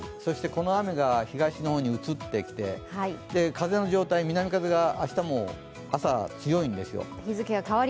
この雨が東の方に移ってきて、風の状態、南風が明日朝も強いんですよ